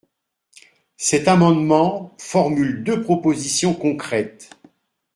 Cet amendement formule deux propositions concrètes.